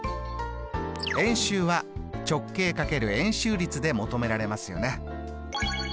円周は直径×円周率で求められますよね。